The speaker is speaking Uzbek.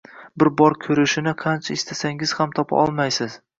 bir bor ko‘rishni qancha istasangiz ham topa olmaysiz.